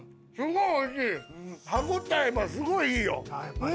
歯応えがすごいいいよ。